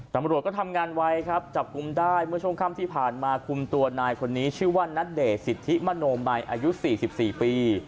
ตำรวจก็ทำงานไวครับจับกลุ่มได้เมื่อช่วงค่ำที่ผ่านมาคุมตัวนายคนนี้ชื่อว่าณเดชสิทธิมโนมัยอายุ๔๔ปี